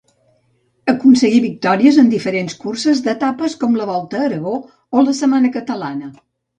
Aconseguí victòries en diferents curses d'etapes com la Volta a Aragó o la Setmana Catalana.